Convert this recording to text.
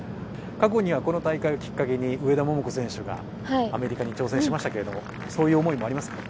◆過去にはこの大会をきっかけに、上田桃子選手が、アメリカに挑戦しましたけれども、そういう思いもありますか。